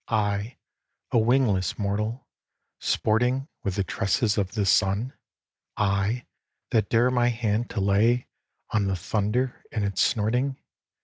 I, a wingless mortal, sporting With the tresses of the sun? I, that dare my hand to lay On the thunder in its snorting?